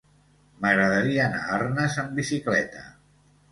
M'agradaria anar a Arnes amb bicicleta.